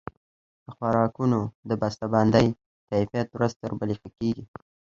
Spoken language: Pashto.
د خوراکونو د بسته بندۍ کیفیت ورځ تر بلې ښه کیږي.